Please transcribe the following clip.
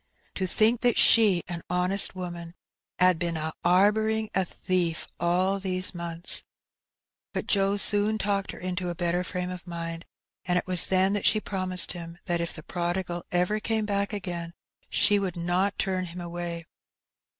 '^To think that she, a honest woman, 'ad been a 'arbouring a thief all these months !" But Joe soon talked her into a better fi*ame of mind, and it was then that she promised him that if the prodigal ever came back again she would not turn him away.